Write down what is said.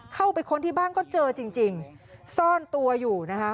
ค้นที่บ้านก็เจอจริงซ่อนตัวอยู่นะคะ